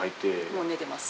もう寝てます。